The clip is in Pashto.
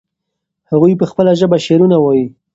هغوی په خپله ژبه شعرونه وایي.